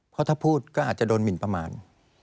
เพราะถ้าพูดก็อาจจะโดนหมินประมาณ